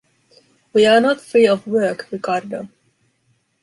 We are not free of work, Ricardo.